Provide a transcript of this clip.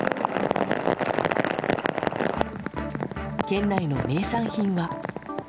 県内の名産品は。